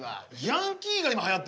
ヤンキーが今はやってんの？